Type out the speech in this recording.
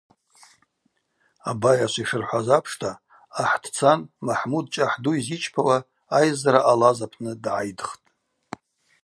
Абайачва йшырхӏваз апшта, ахӏ дцан Махӏмуд чӏахӏ ду йзичпауа айззара ъалаз апны дгӏайдхтӏ.